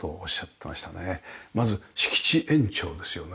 まず敷地延長ですよね。